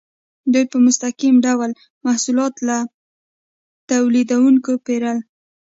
دوی په مستقیم ډول محصولات له تولیدونکو پیرل.